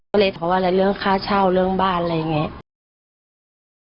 ก็เลยทะเลาะอะไรเรื่องค่าเช่าเรื่องบ้านอะไรอย่างนี้